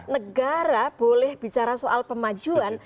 negara boleh bicara soal pemajuan